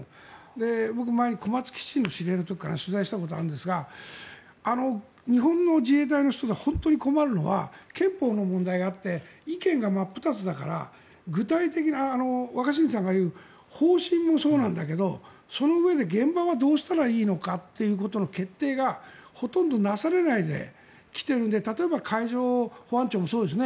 僕、前に小松基地のことで取材したことあるんですが日本の自衛隊の人が本当に困るのは憲法の問題があって意見が真っ二つだから具体的な、若新さんが言う方針もそうなんだけどそのうえで現場はどうしたらいいのかということの決定がほとんどなされないで来ているので例えば、海上保安庁もそうですね。